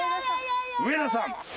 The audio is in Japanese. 上田さん。